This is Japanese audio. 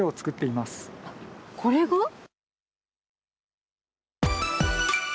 これが？